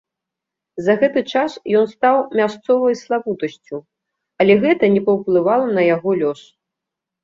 За гэты час ён стаў мясцовай славутасцю, але гэта не паўплывала на яго лёс.